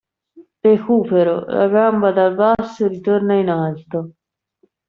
Recupero: La gamba dal basso ritorna in alto.